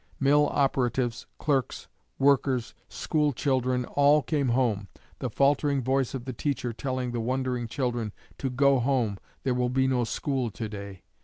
Mill operatives, clerks, workers, school children, all came home, the faltering voice of the teacher telling the wondering children to 'go home, there will be no school to day.'